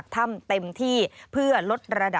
สวัสดีค่ะสวัสดีค่ะ